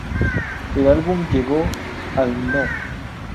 El álbum llegó al No.